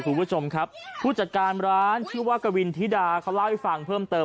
คุณผู้ชมครับผู้จัดการร้านชื่อว่ากวินธิดาเขาเล่าให้ฟังเพิ่มเติม